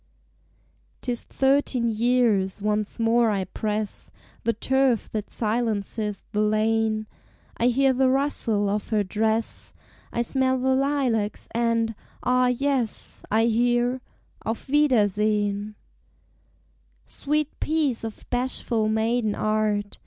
'Tis thirteen years; once more I press The turf that silences the lane; I hear the rustle of her dress, I smell the lilacs, and ah, yes, I hear, "Auf wiedersehen!" Sweet piece of bashful maiden art!